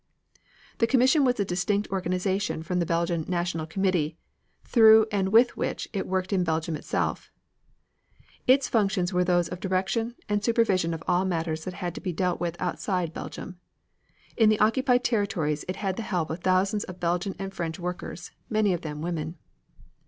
The commission was a distinct organization from the Belgian National Committee, through and with which it worked in Belgium itself. Its functions were those of direction, and supervision of all matters that had to be dealt with outside Belgium. In the occupied territories it had the help of thousands of Belgian and French workers, many of them women.